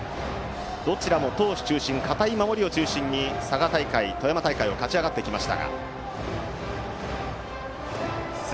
どちらも投手や堅い守りを中心に佐賀大会、富山大会を勝ち上がりました。